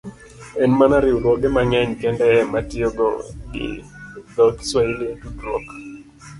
En mana riwruoge mang'eny kende e ma tiyo gi dho - Swahili e tudruok,